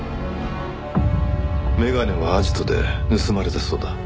眼鏡はアジトで盗まれたそうだ。